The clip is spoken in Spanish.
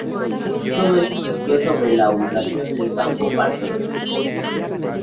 Todo esto surgió sobre la ubicación del Campo Patria.